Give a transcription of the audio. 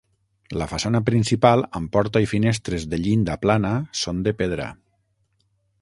La façana principal, amb porta i finestres de llinda plana, són de pedra.